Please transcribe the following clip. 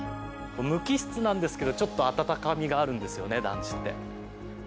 無機質なんですけどちょっと温かみがあるんですよね団地って。